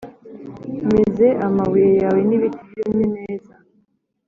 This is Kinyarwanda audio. meza Amabuye yawe n’ibiti byumye neza